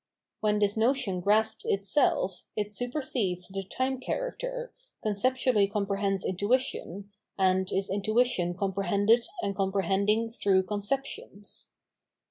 When this notion grasps itself, it supersedes the time character, conceptually comprehends intuition, and is intuition comprehended and comprehending through conceptions.